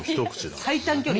最短距離！